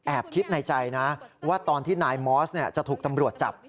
คิดในใจนะว่าตอนที่นายมอสจะถูกตำรวจจับ